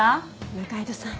仲井戸さん。